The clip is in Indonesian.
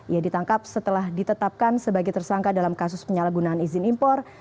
ia ditangkap setelah ditetapkan sebagai tersangka dalam kasus penyalahgunaan izin impor